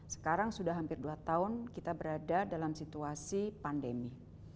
sekarang sudah hampir dua tahun kita berada dalam situasi pandemi